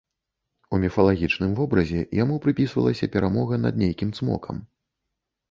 У міфалагічным вобразе яму прыпісвалася перамога над нейкім цмокам.